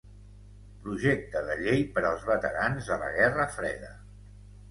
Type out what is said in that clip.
Projecte de llei per als veterans de la Guerra Freda.